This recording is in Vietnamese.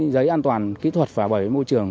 giấy an toàn kỹ thuật và bảo vệ môi trường